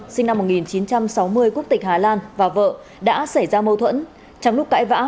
sinh năm một nghìn chín trăm sáu mươi quốc tịch hà lan và vợ đã xảy ra mâu thuẫn trong lúc cãi vã